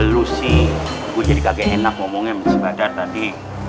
lu sih gua jadi kagak enak ngomongin sama si badar tadi